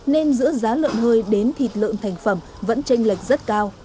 nên giữa giá lợn hơi đến thịt lợn thành phẩm vẫn tranh lệch rất cao